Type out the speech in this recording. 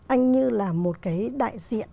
anh như là một cái đại diện